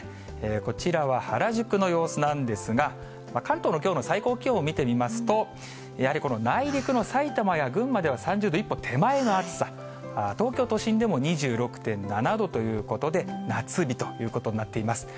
こちらは原宿の様子なんですが、関東のきょうの最高気温を見てみますと、やはりこの内陸の埼玉や、群馬では３０度一歩手前の暑さ、東京都心でも２６．７度ということで、夏日ということになっています。